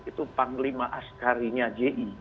itu panglima askari nya ji